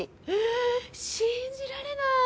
え信じられない！